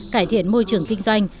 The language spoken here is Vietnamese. cải thiện môi trường kinh doanh